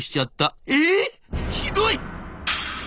「えひどい」。